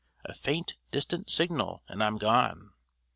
A faint distant signal and I'm gone!